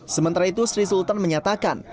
sementara itu sri sultan menyatakan